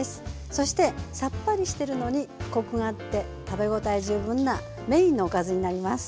そしてさっぱりしてるのにコクがあって食べ応え十分なメインのおかずになります。